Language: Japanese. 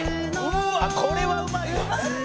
「うわっこれはうまいわ！」